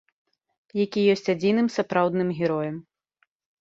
Які ёсць адзіным сапраўдным героем.